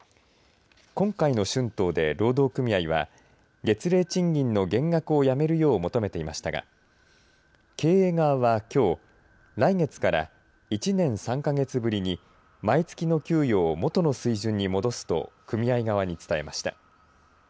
今回の春闘で労働組合は月例賃金の減額をやめるよう求めていましたが経営側は、きょう来月から１年３か月ぶりに毎月の給与を元の水準に戻すと組合側に伝えました。